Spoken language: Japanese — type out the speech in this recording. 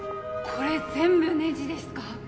これ全部ネジですか？